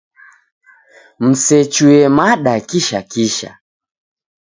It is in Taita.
Musechuye mada kisha kisha.